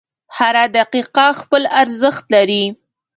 • هره دقیقه خپل ارزښت لري.